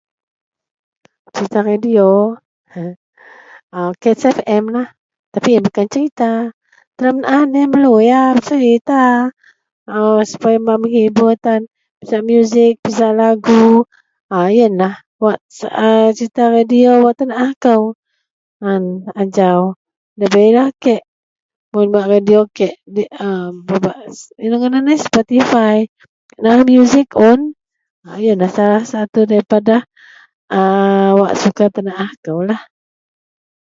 Serita radeyu heh cats fm lah tapi iyen bukan serita telo menaah loyen beluyar serita ... supaya bak menghiburkan tan pisak musik, pisak lagu..ah iyenlah serita radeyu wak tenaah kou an ajau nda lah bei kek mun radeyu kek pebak ino ngadan spectify manaah musik un. Iyen lah tan rasa kou daripada wak suka tenaah kou.